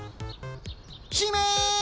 姫！